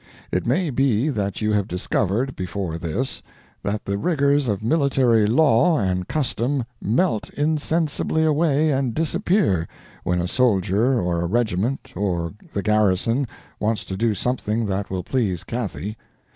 It may be that you have discovered, before this, that the rigors of military law and custom melt insensibly away and disappear when a soldier or a regiment or the garrison wants to do something that will please Cathy.